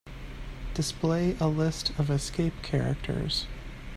Display a list of escape characters.